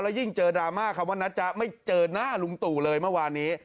ยิ่งเจอดราม่าคำว่านะจ๊ะไม่เจอหน้าลุงตู่เลยเมื่อวานนี้